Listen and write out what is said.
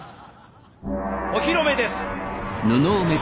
お披露目です。